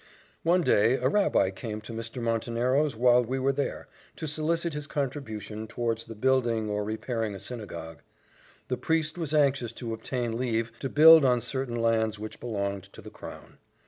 One day a Rabbi came to Mr. Montenero's while we were there, to solicit his contribution towards the building or repairing a synagogue. The priest was anxious to obtain leave to build on certain lands which belonged to the crown.